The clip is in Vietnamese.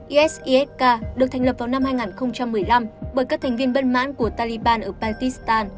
isisk được thành lập vào năm hai nghìn một mươi năm bởi các thành viên bất mãn của taliban ở pakistan